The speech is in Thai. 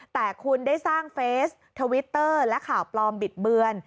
แต่คุณได้สร้างเฟสทวิตเตอร์และข่าวปลอมบิดเบือน